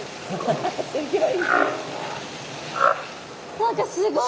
何かすごい。